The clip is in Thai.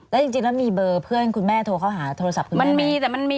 แล้วจริงแล้วมีเบอร์เพื่อนคุณแม่โทรเข้าหาโทรศัพท์ขึ้นมา